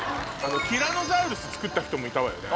ティラノサウルス作った人もいたわよね。